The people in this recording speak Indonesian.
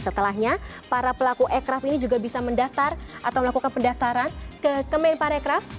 setelahnya para pelaku aircraft ini juga bisa mendaftar atau melakukan pendaftaran ke main para aircraft